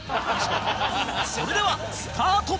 それではスタート！